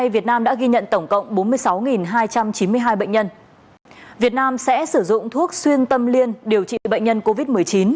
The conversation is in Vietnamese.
việt nam sẽ sử dụng thuốc xuyên tâm liên điều trị bệnh nhân covid một mươi chín